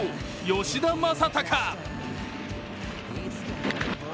吉田正尚。